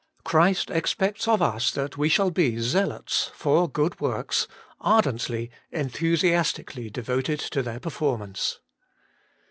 Christ expects of us that we shall be zealots for good works — ardently, enthusiastically devoted to their performance.